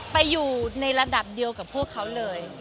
ไปอยู่ในระดับเดียวกับพวกเขาเลย